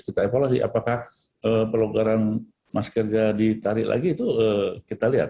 kita evaluasi apakah pelonggaran maskernya ditarik lagi itu kita lihat